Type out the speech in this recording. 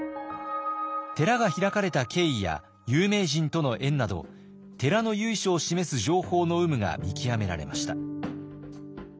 寺が開かれた経緯や有名人との縁など寺の由緒を示す情報の有無が見極められました。